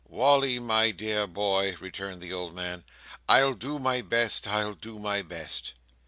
"Wally, my dear boy," returned the old man, "I'll do my best, I'll do my best."